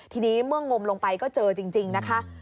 ทีนี้เมื่องมลงไปก็เจอจริงนะคะ